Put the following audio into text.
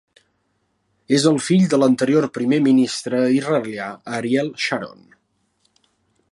És el fill de l'anterior primer ministre israelià Ariel Sharon.